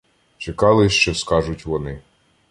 Чекали, що скажуть вони.